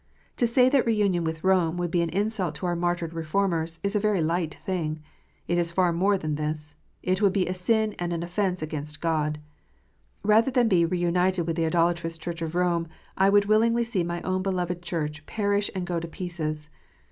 To say that re union with Rome would be an insult to our martyred Reformers, is a very light thing ; it is far more than this : it would be a sin and an offence against God ! Rather than be re united with the idolatrous Church of Rome, I would willingly see my own beloved Church perish and go to pieces.